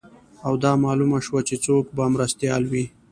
او دا معلومه شوه چې څوک به مرستیال وي